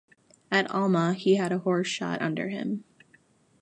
At Alma he had a horse shot under him.